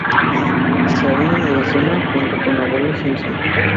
Se unen a la cena, junto con Abuelo Simpson.